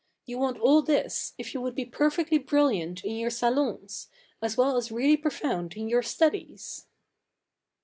You want all this, if you would be perfectly brilliant in your sa/ons, as well as really profound in your studies.'